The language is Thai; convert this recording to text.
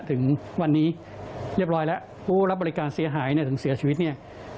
ถึงวันนี้เรียบร้อยแล้วผู้รับบริการเสียหายเนี่ยถึงเสียชีวิตเนี่ย